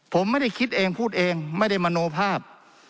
ผมไม่ได้คิดเองพูดเองไม่ได้มโนภาพ